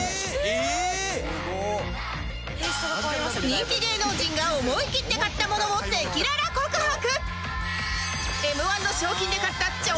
人気芸能人が思い切って買ったものを赤裸々告白！